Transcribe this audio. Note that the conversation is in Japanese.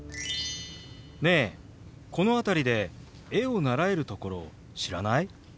ねえこの辺りで絵を習えるところ知らない？